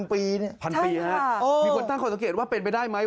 พันปีครับมีคนตั้งข้อสังเกตว่าเป็นไปได้ไหม